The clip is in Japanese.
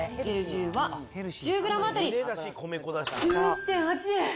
１０グラム当たり１１．８円。